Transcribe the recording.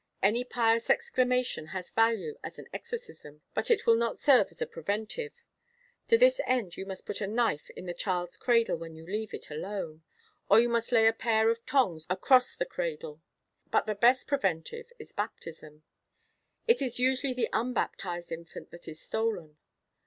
Any pious exclamation has value as an exorcism; but it will not serve as a preventive. To this end you must put a knife in the child's cradle when you leave it alone, or you must lay a pair of tongs across the cradle. But the best preventive is baptism; it is usually the unbaptised infant that is stolen.